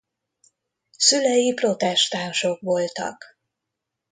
Szülei protestánsok voltak.